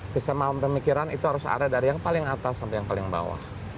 kesamaan pemikiran itu harus ada dari yang paling atas sampai yang paling bawah